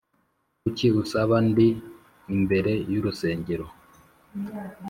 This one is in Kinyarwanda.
kuki usaba ndi imbere y’urusengero,